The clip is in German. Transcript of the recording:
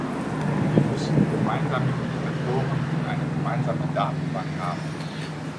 Wir müssen gemeinsame Indikatoren und eine gemeinsame Datenbank haben.